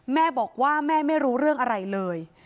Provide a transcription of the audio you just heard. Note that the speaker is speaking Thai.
แม่บอกว่าแม่ไม่รู้เรื่องอะไรเลย